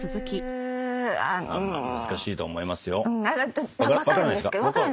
難しいとは思いますよ。